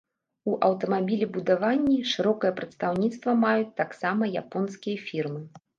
У аўтамабілебудаванні шырокае прадстаўніцтва маюць таксама японскія фірмы.